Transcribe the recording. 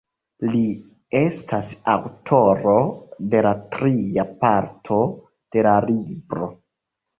Li estas aŭtoro de la tria parto de la libro.